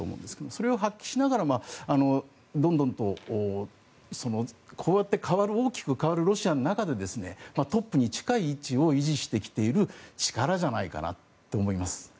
それを発揮しながらどんどんとこうやって大きく変わるロシアの中でトップに近い位置を維持してきている力じゃないかなと思います。